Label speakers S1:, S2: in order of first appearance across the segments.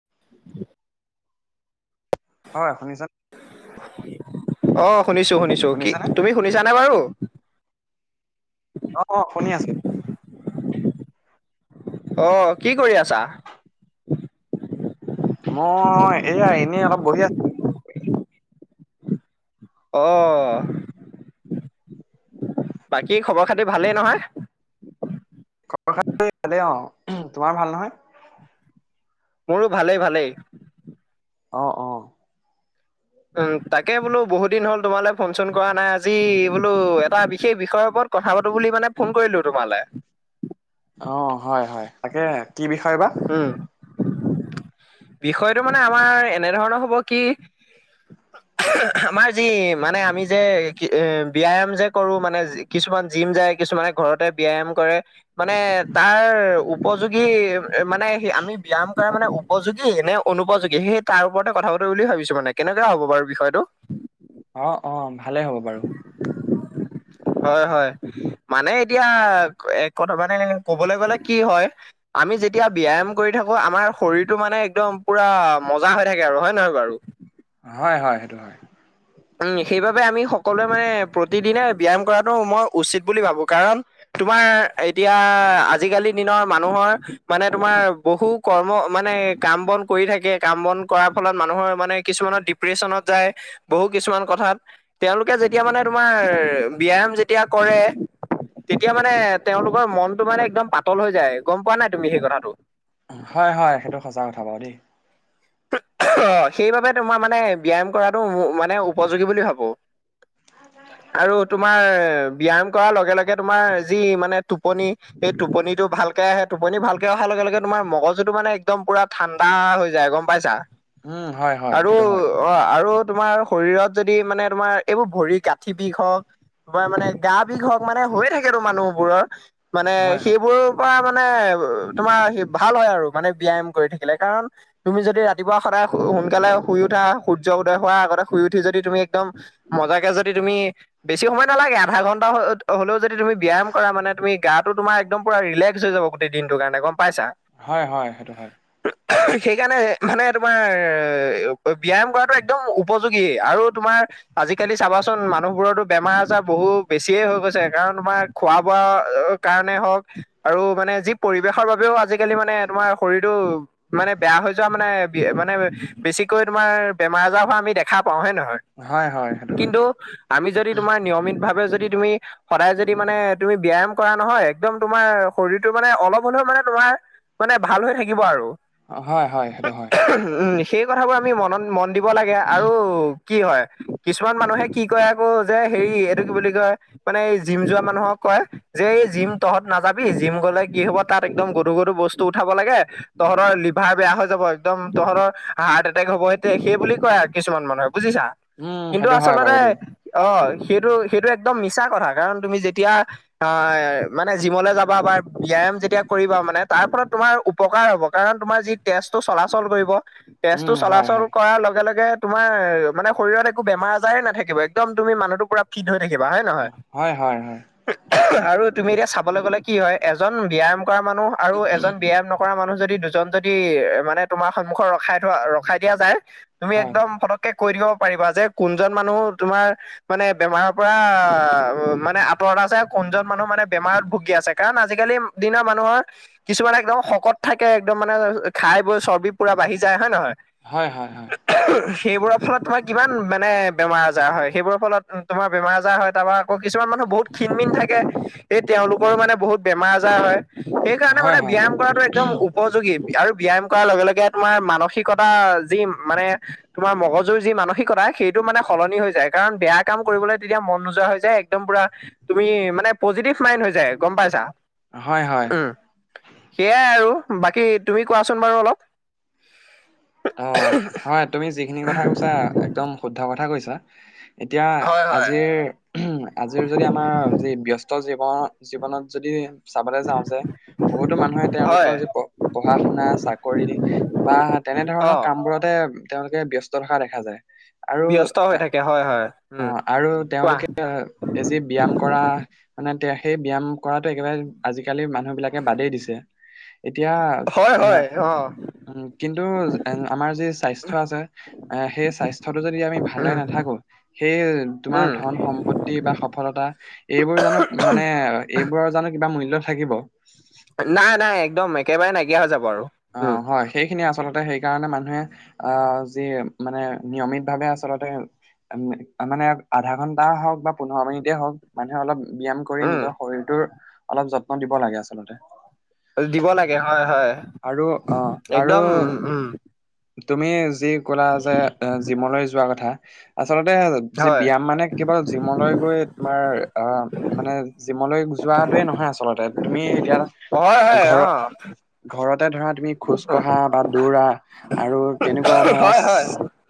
S1: [inaudible]
S2: হয়, শুনিছা?
S1: অ', শুনিছো শুনিছো। কি
S2: শুনিছানে
S1: তুমি শুনিছানে বাৰু?
S2: অ', শুনি আছোঁ।
S1: অ', কি কৰি আছা?
S2: মই এয়া এনেই অলপ বহি আছিলোঁ।
S1: অ'। বাকী খবৰ-খাতি ভালেই নহয়?
S2: খবৰ-খাতি ভালে অ'। তোমাৰ ভাল নহয়?
S1: মোৰো ভালেই ভালেই।
S2: অ', অ'।
S1: উম, তাকে বোলো বহুত দিন হ'ল তোমালৈ ফোন-চোন কৰা নাই। আজি বোলো এটা বিশেষ বিষয়ৰ ওপৰত কথা পাতো বুলি মানে ফোন কৰিলো তোমালে।
S2: অ', হয় হয়। তাকে কি বিষয় বা?
S1: উম বিষয়টো মানে আমাৰ এনে ধৰণৰ হ'ব কি আমাৰ যি মানে আমি যে কি ব্যয়াম যে কৰো মানে কিছুমান জিম যায় কিছুমানে ঘৰতে ব্যয়াম কৰে মানে তাৰ উপযোগী মানে সে আমি ব্যায়াম কৰা মানে উপযোগী নে অনুপযোগী, সেই তাৰ ওপৰতে কথা পাতো বুলি ভাৱিছো। মানে কেনেক কেনেকা হ'ব বাৰু বিষয়টো?
S2: অ', অ', ভালেই হ'ব বাৰু।
S1: [inaudible] হয় হয়। মানে এতিয়া এক কথা মানে এ ক'বলৈ গলে কি হয় আমি যেতিয়া ব্যায়াম কৰি থাকো আমাৰ শৰীৰটো মানে একদম পুৰা মজা হৈ থাকে আৰু হয়নে নহয় বাৰু?
S2: হয় হয়। সেইটো হয়।
S1: উম। সেইবাবে আমি সকলোৱে মানে প্ৰতিদিনে ব্যায়াম কৰাটো মই উচিত বুলি ভাৱোঁ। কাৰণ তোমাৰ এতিয়া আজিকালি দিনৰ মানুহৰ মানে তোমাৰ বহু কৰ্ম মানে কাম-বন কৰি থাকে। কাম-বন কৰাৰ ফলত মানুহৰ মানে কিছুমানৰ ডিপ্ৰেছনত যায়। বহু কিছুমান কথাত তেওঁলোকে যেতিয়া মানে তোমাৰ ব্যায়াম যেতিয়া কৰে তেতিয়া মানে তেওঁলোকৰ মনটো মানে একদম পাতল হৈ যায়। গম পোৱা নে নাই তুমি সেই কথাটো?
S2: হয় হয়, সেইটো সঁচা কথা বাৰু দেই।
S1: [unintelligible] অ', সেইবাবে তোমাৰ মানে ব্যায়াম কৰাটো মানে উপযোগী বুলি ভাৱোঁ। আৰু তোমাৰ ব্যায়াম কৰাৰ লগে লগে তোমাৰ যি মানে টোপনি, সেই টোপনিটো ভাল ভালকে আহে। টোপনি ভালকে অহাৰ লগে লগে তোমাৰ মগজুটো মানে একদম পুৰা ঠাণ্ডা হৈ যায়। গম পাইছা?
S2: উম হয় হয়
S1: আৰু
S2: সেইটো হয়
S1: অ', আৰু তোমাৰ শৰীৰত যদি মানে তোমাৰ এইবোৰ ভৰি গাঁথি বিষ হওঁক তোমাৰ মানে গা বিষ হওঁক, মানে হৈ থাকেতো মানুহবোৰৰ মানে
S2: হয় হয়
S1: সেইবোৰৰো পৰা তোমাৰ তোমাৰ সেই ভাল হয় আৰু মানে ব্যায়াম কৰি থাকিলে। কাৰণ তুমি যদি ৰাতিপুৱা সদায় সোনকালে শুই উঠা, সূৰ্য উদয় হোৱাৰ আগতে শুই উঠি যদি তুমি একদম সঁচাকে যদি তুমি, বেছি সময় নালাগে আধা ঘন্টা হ হ'লেও যদি তুমি ব্যায়াম কৰা মানে তুমি গাটো তোম একদম পুৰা ৰিলেক্স হৈ যাব গোটেই দিনটো। টো কাৰণে গ'ম পাইছা।
S2: হয় হয় সেইটো হয়
S1: সেইকাৰণে মানে তোমাৰ ব্যয়াম কৰাটো একদম উপযোগী আৰু তোমাৰ আজিকালি চাবাচোন মানুহবোৰতো বেমাৰ আজাৰ বহু বেছিয়ে হৈ গৈছে, কাৰণ তোমাৰ খোৱা বোৱা কাৰণে হওঁক আৰু মানে যি পৰিৱেশৰ বাবেও আজিকালি মানে তোমাৰ শৰীৰটো মানে বেয়া হৈ যোৱা মানে মানে বেছিকৈ তোমাৰ বেমাৰ আজাৰ হোৱা আমি দেখা পাওঁ হয়নে নহয়
S2: হয় হয় সেইটো হয়
S1: কিন্তু আমি যদি নিয়মীত ভাবে। তুমি যদি সদায় যদি মানে তুমি ব্যায়াম কৰা নহয় একদম তোমাৰ শৰতটো মানে অলপ হ'লেও মানে তোমাৰ মানে ভাল হৈ থাকিব আৰু।
S2: হয়, হয়, সেইটো হয়।
S1: উম, সেই কথাবোৰ আমি মনত মন দিব লাগে আৰু। কি হয়, কিছুমান মানুহে কি কয় আকৌ যে হেৰি এইটো কি বুলি কয় মানে এই জিম যোৱা মানুহক কয় যে এই জিম তহঁত নাযাবি জিম গ'লে কি হ'ব তাত একদম গধু গধু বস্তু উঠাব লাগে। তহঁৰ লিভাৰ বেয়া হৈ যাব, একদম তহঁতৰ হাৰ্ট এটেক হ'ব সে সেই বুলি কয় আৰু কিছুমান মানুহে। বুজিছা
S2: উম
S1: কিন্তু
S2: সেইটো হয় বাৰু
S1: আচলতে
S2: দেই
S1: অ'। সেইটো সেইটো একদম মিছা কথা কাৰণ তুমি যেতিয়া অ' মানে জিমলে যাবা বা বিয়াৰ যেতিয়া কৰিবা মানে তাৰ ফলত তোমাৰ উপকাৰ হ'ব, কাৰণ তোমাৰ যি তেজ টো চলাচল কৰিব, তেজ টো
S2: উম হয়
S1: চলাচল
S2: হয়
S1: কৰাৰ লগে লগে তোমাৰ মানে শৰীৰত একো বেমাৰ আজাৰেেই নাথাকিব একদম মানুহটো পোৰা ফিট হয় থাকিবা হয় নে নহয়।
S2: হয় হয় হয়
S1: আৰু তুমি এতিয়া চাবলৈ গ'লে কি হয় এজন ব্যায়াম কৰা মানুহ আৰু এজন ব্যায়াম নকৰা মানুহ যদি দুজন যদি মানে তোমাৰ সন্মুখ ৰখাই থোৱা ৰখাই দিয়া যায়, তুমি একদম পটককে কৈ দিব পাৰিবা যে কোনজন মানুহ তোমাৰ মানে বেমাৰৰ পৰা মানে আঁতৰত। আ কোনজন মানুহ মানে বেমাৰত ভুগি আছে, কাৰণ আজিকালি দিনৰ মানুহৰ কিছুমান একদম শকত থাকে, একদম। মানে খাই বৈ চৰ্বি পুৰা বাঢ়ি যায় হয় নে নহয়।
S2: হয়, হয়, হয়।
S1: সেইবোৰৰ ফলত তোমাৰ কিমান মানে বেমাৰ আজাৰ হয়। সেইবোৰৰ ফলত তোমাৰ বেমা আজাৰ হয়, তাৰপৰা আকৌ কিছুমান মানুহ বহুত ক্ষীণমিন থাকে, এই তেওঁলোকৰো মানে বহুত বেমাৰ আজাৰ হয়। সেইকাৰণে
S2: হয় হয় হয়
S1: মানে
S2: হয়
S1: ব্যায়াম কৰাটো একদম। যোগী আৰু ব্যায়াম কৰাৰ লগে লগে তোমাৰ মানসিকতা যি মানে তোমাৰ মগজুৰ যি মানসিকতা সেইটো মানে সলনি হৈ যায়। কাৰণ বেয়া কাম কৰিবলৈ তেতিয়া মন নোযোৱা হৈ যায়। একদম পোৰা তুমি মানে পজিটিভ মাইনড হৈ যায় গ'ম পাইছা,
S2: হয় হয়
S1: উম সেইয়েই আৰু বাকী তুমি কোৱাচোন বাৰু অলপ।
S2: অ' হয়, তুমি যিখিনি কথা কৈছা একদম শুদ্ধ কথা কৈছা। এতিয়া
S1: হয় হয়
S2: আজিৰ আজিৰ যদি আমাৰ যি ব্যস্ত জীৱন জীৱনত যদি চাবলৈ যাওঁ যে বহুতো মানুহে
S1: হয়
S2: তেওঁলোকৰ যি পঢ়া শুনা চাকৰি বা
S1: অ
S2: তেনেধৰণৰ কাম বোৰতে তেওঁলোকে ব্যস্ত থকা দেখা যায়। আৰু
S1: ব্যস্ত হৈ থাকে হয়, হয়। উম
S2: অ' আৰু
S1: কোৱা
S2: তেওঁলোকে এই যি ব্যায়াম কৰা। মানে তে সেই ব্যায়াম কৰাটো একেবাৰে আজিকালি আজিকালি মানুহ বিলাকে বাদেই দিছে, এতিয়া
S1: হয়
S2: এ
S1: হয় অ
S2: উ আমাৰ যি স্বাস্থ্যৰ টো আছে এ সেই স্বাস্থ্যটো যদি আমি ভালে
S1: উম
S2: নাথাকো সেই তোমাৰ
S1: উম
S2: ধন সম্পত্তি বা সফলতা এইবোৰ জানো মানে এইবোৰৰ জানো কিবা মূল্য থাকিব।
S1: নাই নাই একদম একেবাৰে নাইকিয়া হৈ যাব। আৰু উম
S2: অ' হয় সেই খিনি আচলতে সেইকাৰণে মানুহে আহ যি মানে নিয়মিত ভাৱে আচলতে উ মানে আধা ঘন্টা হওঁক বা পোন্ধৰ মিনিট হওঁক মানুহে অলপ ব্য্যয়াম কৰি
S1: উম
S2: নিজৰ শৰীৰটোৰ অলপ যত্ন দিব লাগে আচলতে।
S1: দিব লাগে হয়, হয়।
S2: আৰু অ আৰু
S1: একদম উম উম
S2: তুমি যি ক'লা যে এ জিমলৈ যোৱা কথা আচলতে যি
S1: হয়
S2: ব্যায়াম মানে কেৱল জিমলৈ গৈ তোমাৰ অ মানে জিমলৈ কোৱাটোৱে নহয় আচলতে তুমি এতিয়া
S1: হয়
S2: ঘ
S1: হয় অ
S2: ঘৰতে ধৰা তুমি খোজ কঢ়া বা দৌৰা আৰু তেনেকুৱা ধৰা
S1: হয় হয়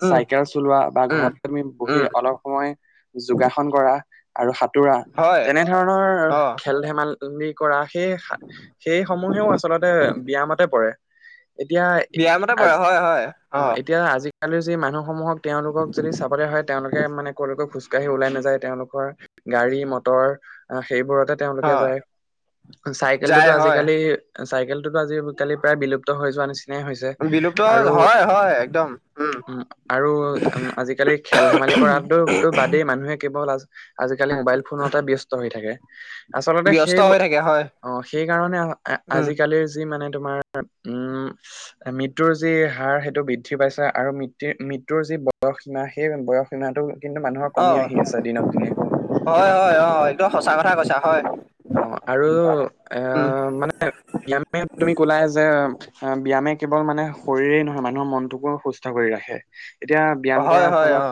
S1: উম
S2: চাইকেল চলোৱা বা
S1: উম
S2: ঘৰত তুমি বহি
S1: উম
S2: অলপ সময় যোগাসন কৰা আৰু সাঁতোৰা
S1: হয়
S2: তেনে ধৰণৰ
S1: অ
S2: খেল ধেমাল লি কৰা সেই সেই সমূহেও আচলতে ব্যায়ামতে পৰে এতিয়া
S1: ব্যায়ামতে
S2: আ
S1: পৰে হয় হয়
S2: অ এতিয়া আজি আজিকালি যি মানুহসমূহক তেওঁলোকক যদি চাবলৈ হয় তেওঁলোকে মানে ক'লৈকে খোজকাঢ়ি ওলাই নাযায় তেওঁলোকৰ গাড়ী মটৰ অ সেইবোৰতে তেওঁলোকে
S1: অ
S2: যায় চাইকেলটোতো
S1: যায় হয়
S2: আজিকালি চাইকেল টোতো আজি কালি প্ৰায় বিলুপ্ত হৈ যোৱা নিচিনাই হৈছে
S1: বিলুপ্ত
S2: আৰু
S1: হয় হয় একদম উ
S2: উম আৰু উ আজিকালি খেল ধেমালি কৰাটোো তো বাদেই মানুহে কেৱল আজিকালি মোবাইল ফোনতে ব্য্স্ত হৈ থাকে আচলতে
S1: ব্যস্ত
S2: সেইবোৰ
S1: হৈ থাকে হয়
S2: অ সেইকাৰণে
S1: উম
S2: আজিকালিৰ যি মানে তোমাৰ উম মৃত্যুৰ যি হাৰ সেইটো বৃদ্ধি পাইছে আৰু মৃত্য মৃত্যুৰ যি বয়সীমা সেই বয়সীমাটো কিন্তু মানুহৰ
S1: অ
S2: কমি আহি আছে দিনক দিনে
S1: হয় হয় অ একদম সঁচা কথা কৈছা হয়
S2: অ আৰু এ
S1: উম
S2: মানে ব্যায়ামে তুমি ক'লা যে ব্যায়ামে কেৱল মানে শৰীৰেই নহয় মানুহৰ মনটোকো সুস্থ কৰি ৰাখে এতিয়া ব্যায়াম
S1: হয়
S2: কৰাৰ
S1: হয়
S2: ফলত
S1: অ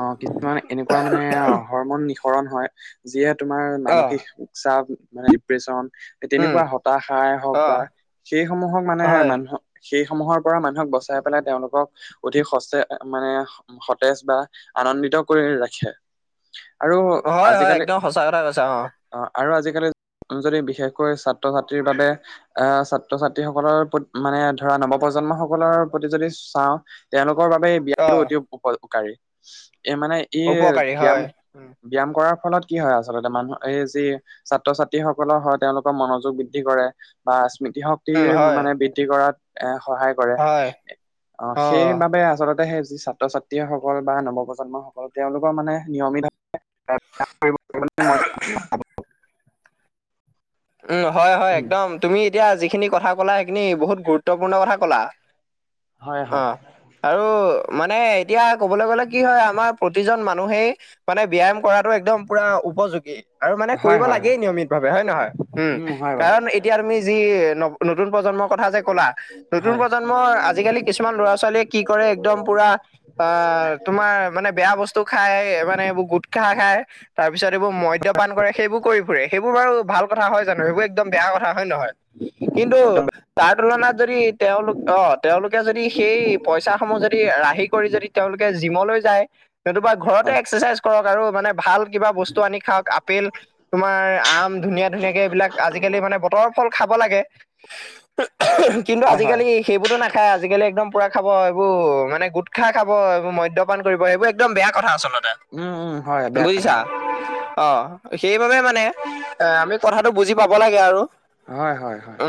S2: অ' কিছুমান এনেকুৱা মানে হৰমন নি। কৰণ হয় যিয়ে তোমাৰ
S1: অ
S2: মানসিক উৎচাপ মানে ডিপ্ৰেচন।
S1: উম
S2: তেনেকুৱা হতাশাই হওক
S1: অ
S2: বা সেই সমূহক মানে
S1: হয়,
S2: মানুহৰ। সেই সমূহৰ পৰা মানুহক বচাই পেলাই তেওঁলোকক অধিক সচে মানে সতেজ বা। আনন্দিত কৰি ৰাখে। আৰু
S1: হয়, হয়
S2: আজিকালি
S1: একদম সঁচা কথা কৈছো অ'।
S2: আৰু আজিকালি। যদি বিশেষকৈ ছাত্ৰ-ছাত্ৰীৰ বাবে আ ছাত্ৰ-ছাত্ৰী সকলৰ প্ৰ মানে ধৰা নৱপ্ৰজন্ম। প্ৰজন্ম সকলৰ প্ৰতি যদি চাওঁ তেওঁলোকৰ বাবে এই ব্যয়ামটো
S1: অ',
S2: অতি উপকাৰী। এ মানে ই
S1: উপকাৰী
S2: ব্যায়াম
S1: হয়। উম,
S2: ব্যায়াম কৰাৰ ফলত কি হয় আচলতে মানুহৰ এই। যি ছাত্ৰ-ছাত্ৰীসকলৰ হয় তেওঁলোকৰ মনোযোগ বৃদ্ধি কৰে বা। স্মৃতি শক্তি
S1: উম, হয়,
S2: মানে বৃদ্ধি কৰাত এ। সহায় কৰে,
S1: হয়,
S2: অ', সেইবাবে আচলতে সেই। যি ছাত্ৰ-ছাত্ৰীসকল বা নৱপ্ৰজন্মসকল তেওঁলোকৰ মানে নিয়মিতভাৱে। [inaudible] মই
S1: [inaudible] উম, হয়, হয়
S2: উম,
S1: একদম তুমি এতিয়া যিখিনি কথা কলা সেইখিনি বহুত গুৰুত্ব। গুৰুত্বপূৰ্ণ কথা কলা,
S2: হয় হয়
S1: অ' আৰু। মানে এতিয়া কবলৈ গ'লে কি হয় আমাৰ প্ৰতিজন মানুহেই মানে ব্যায়াম কৰাটো একদম পুৰা উপযো। গী, আৰু মানে
S2: হয়
S1: কৰিব
S2: হয় হয়
S1: লাগেই নিয়মিত ভাৱে হয়নে নহয়, উম,
S2: হয় বাৰু
S1: কাৰণ এতিয়া তুমি যি। নতুন। প্ৰজন্মৰ কথা যে কলা নতুন
S2: হয়
S1: প্ৰজন্মৰ আজিকালি কিছুমান ল'ৰা-ছোৱালীয়ে কি কৰে একদম পুৰা। মাৰ তোমাৰ মানে বেয়া বস্তু। স্তু খাই মানে এইবোৰ গুট্‌খা খাই তাৰ পিছত এইবোৰ মদ্য পান কৰে সেইবোৰ কৰি ফুৰে সেইবোৰ বাৰু ভাল। কথা হয় জানো সেইবোৰ একদম বেয়া কথা হয়নে নহয় কিন্তু
S2: একদম
S1: তাৰ তুলনাত যদি তেওঁলোক। অ', তেওঁলোকে যদি সেই পইচা সমূহ যদি ৰাহি কৰি যদি তেওঁলোকে জিমলৈ যায়। নতুবা ঘৰতে
S2: হয়
S1: এক্সাৰচাইজ কৰক আৰু মানে ভাল কিবা বস্তু আনি খাওক আপেল। তোমাৰ আম ধুনীয়া ধুনীয়াকে এইবিলাক আজিকালি মানে বতৰৰ ফল খাব লাগে। [unintelligible] কিন্তু
S2: হয় হয়
S1: আজিকালি সেইবোৰতো নাখায় আজিকালি একদম পুৰা খাব এইবোৰ মানে গুটখা খাব এইবোৰ মদ্যপান কৰিব সেইবোৰ একদম বেয়া কথা আচলতে।
S2: উম', উম', হয়। বেয়া কথা।
S1: অহ, সেইবাবে মানে আমি কথাটো বুজি পাব লাগে আৰু।
S2: হয়, হয়, হয়।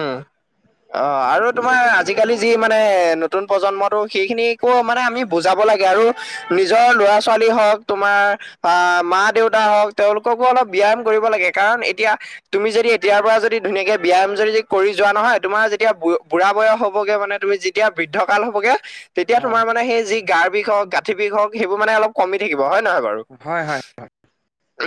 S1: অহ, আৰু তোমাৰ আজিকালি যি মানে নতুন প্ৰজন্মটো সেইখিনিকো মানে আমি বুজাব লাগে আৰু নিজৰ ল'ৰা-ছোৱালী হওঁক তোমাৰ বা মা-দেউতা হোক তেওঁলোককো অলপ ব্যায়াম কৰিব লাগে কাৰণ এতিয়া তুমি যদি এতিয়াৰ পৰা যদি ধুনীয়াকে ব্যায়াম যদি কৰি যোৱা নহয় তোমাৰ যেতিয়া বু-বুঢ়া বয়স হ'বগে মানে তুমি যেতিয়া বৃদ্ধ কাল হ'বগে তেতিয়া
S2: হয়
S1: তোমাৰ মানে সেই যি গাৰ বিষ হওঁক গাঁঠি বিষ হওঁক সেইবোৰ মানে অলপ কমি থাকিব হয়। নে নহয় বাৰু।
S2: হয় হয়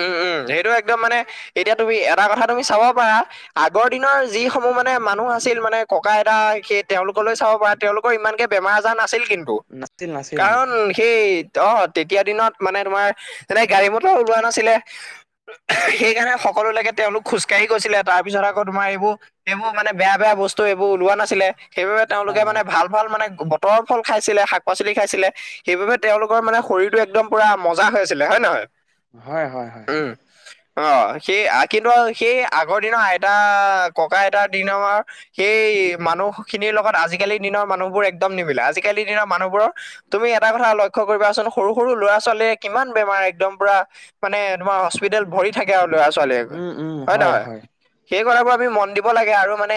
S1: উম', উম' সেইটো একদম মানে এতিয়া তুমি এটা কথা তুমি চাব পাৰা আগৰ দিনৰ যিসমূহ মানে মানুহ আছিল মানে ককা-আইতা সেই তেওঁলোকৰ সকললৈ চাব পাৰা তেওঁলোকৰ ইমানকে বেমাৰ আজাৰ নাছিল কিন্তু,
S2: নাছিল নাছিল অ
S1: কাৰণ সেই অহ, তেতিয়া দিনত মানে তোমাৰ তেনে গাড়ী মটৰো ওলোৱা নাছিলে [unintelligible] সেইকাৰণে সকলোলৈকে তেওঁলোক খোজকাঢ়ি গৈছিলে তাৰপিছত আকৌ তোমাৰ এইবোৰ, এইবোৰ মানে বেয়া বেয়া বস্তু এইবোৰ ওলোৱা নাছিলে। সেইবাবে তেওঁলোকে
S2: হয়
S1: মানে ভাল ভাল মানে বতৰৰ ফল খাইছিলে, শাক-পাচলি খাইছিলে, সেইবাবে তেওঁলোকৰ মানে শৰীৰটো একদম পুৰা মজা হৈ আছিলে হয়নে নহয়।
S2: হয়, হয়, হয়।
S1: অহ, সেই কিন্তু সেই আগৰ দিনৰ আইতা ককা-আইতাৰ দিনৰ সেই মানুহখিনি খিনিৰ লগত আজিকালিৰ দিনৰ মানুহবোৰ একদম নিমিলে, আজিকালি দিনৰ মানুহবোৰৰ তুমি এটা কথা লক্ষ্য কৰিবাচোন সৰু সৰু সৰু ল'ৰা-ছোৱালীয়ে কিমান বেমাৰ একদম পুৰা মানে তোমাৰ হস্পিতালত ভৰি থাকে আৰু ল'ৰা-ছোৱালীয়ে গৈ।
S2: উম', উম', হয়, হয়।
S1: সেই কথাবোৰ আমি মন দিব লাগে আৰু মানে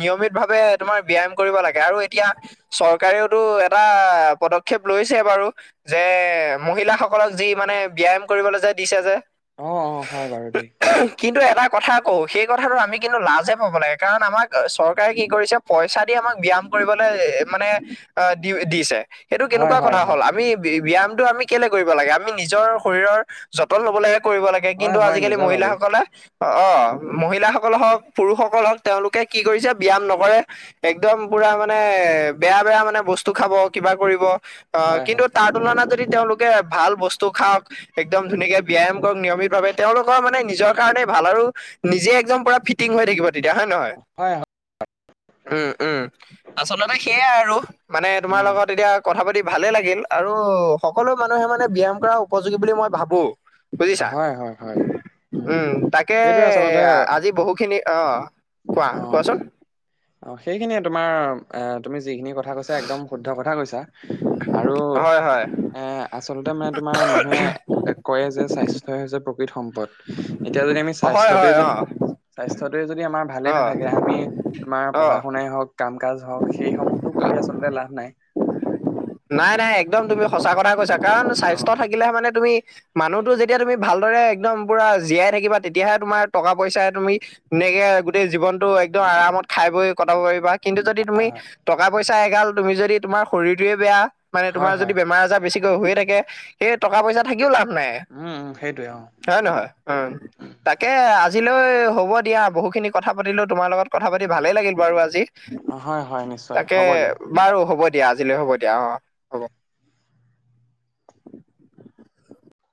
S1: নিয়মিত ভাৱে তোমাৰ ব্যায়াম কৰিব লাগে আৰু এতিয়া চৰকাৰেওতো এটা পদক্ষেপ লৈছে বাৰু যে মহিলাসকলক যি মানে ব্যায়াম কৰিবলৈ যে দিছে যে।
S2: অহ', অহ', হয় বাৰু দেই।
S1: কিন্তু এটা কথা কওঁ সেই কথাটো আমি কিন্তু লাজে পাব লাগে, কাৰণ আমাক চৰকাৰে কি কৰিছে পইচা দিয়া আমাক ব্যায়াম কৰিবলৈ মানে দি দিছে, সেইটো
S2: হয়
S1: কেনেকুৱা
S2: হয়
S1: কথা
S2: হয়
S1: হ'ল আমি ব্যায়ামটো আমি কেলে কৰিব লাগে আমি নিজৰ শৰীৰৰ যতন ল'ব লাগে। কৰিব লাগে
S2: হয়
S1: কিন্তু
S2: হয়
S1: আজিকালি
S2: নিজৰ বাবেই
S1: মহিলাসকলে অহ, মহিলাসকল হওঁক পুৰুষসকল হওঁক তেওঁলোকে কি কৰিছে ব্যায়াম নকৰে। একদম পুৰা মানে বেয়া-বেয়া মানে বস্তু খাব কিবা কৰিব। অহ,
S2: হয়
S1: কিন্তু
S2: হয়
S1: তাৰ তুলনাত যদি তেওঁলোকে ভাল বস্তু খাওঁক একদম ধুনীয়াকে ব্যায়াম নিয়মিতভাৱে তেওঁলোকৰ মানে নিজৰ কাৰণে ভাল আৰু নিজে একদম পুৰা ফিটিং হৈ থাকিব। তেতিয়া হয় নে নহয়।
S2: হয় হয়
S1: উম', উম, আচলতে সেইয়াই আৰু। মানে তোমাৰ
S2: উম
S1: লগত এতিয়া কথা পাতি ভালে লাগিল আৰু সকলো মানুহে মানে ব্যায়াম কৰা উপযোগী বুলি মই ভাবোঁ।
S2: হয়, হয়, হয়।
S1: উম, তাকে
S2: সেইটোৱে
S1: আজি বহুখিনি অহ
S2: অহ, অহ' সেইখিনিয়ে তোমাৰ এ তুমি যিখিনি কথা কৈছা একদম শুদ্ধ কথা কৈছা আৰু
S1: হয়, হয়,
S2: এ আচলতে মানে তোমাৰ মানুহে কয় যে স্বাস্থ্য প্ৰকৃত সম্পদ। এতিয়া যদি আমি
S1: হয়, হয়,
S2: স্বাস্থ্যটোয়ে যদি,
S1: অ',
S2: স্বাস্থ্যটোয়ে যদি আমাৰ ভালে
S1: অ',
S2: নাথাকে, আমি তোমাৰ পঢ়া
S1: অ'।
S2: শুনাই হওঁক কাম কাজ হওঁক সেইসমূহতো কৰি আচলতে লাভ নাই।
S1: নাই নাই একদম তুমি সঁচা কথাই কৈছা, কাৰণ
S2: অ
S1: স্বাস্থ্য থাকিলে মানে তুমি মানুহতো যেতিয়া তুমি ভালদৰে একদম পুৰা জীয়াই থাকিবা, তেতিয়াহে তোমাৰ টকা পইচাই তুমি ধুনীয়াকে গোটেই জীৱনতটো একদম আৰামত খাই বৈ কটাব পাৰিবা। কিন্তু, যদি তুমি
S2: হয় হয়
S1: টকা পইচা এগাল, তুমি যদি তোমাৰ শৰীৰটোৱে বেয়া। মানে,
S2: হয়
S1: তোমাৰ যদি
S2: হয়
S1: বেমাৰ আজাৰ বেছিকৈ হৈয়ে থাকে। সেই টকা পইচা থাকিও লাভ নাই।
S2: উম উম সেইটোৱে অ
S1: হয়, নহয় উম তাকে আজিলৈ হ'ব দিয়া বহুখিনি কথা পাতিলোঁ তোমাৰ লগত। কথা পাতি ভালেই লাগিল বাৰু আজি।
S2: অ হয় হয় নিশ্চয়
S1: তাকে
S2: হ'ব দিয়া
S1: বাৰু হ'ব দিয়া আজিলৈ হ'ব দিয়া অ', হ'ব।